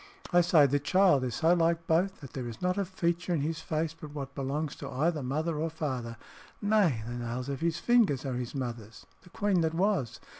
I say the child is so like both, that there is not a feature in his face but what belongs to either father or mother nay, the nails of his fingers are his mother's the queen that was.